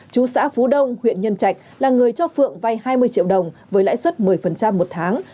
chú xã phú đông huyện nhân trạch là người cho phượng vay hai mươi triệu đồng với lãi suất một mươi một tháng